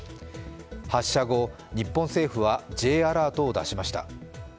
発射後、日本政府はＪアラートを出しました。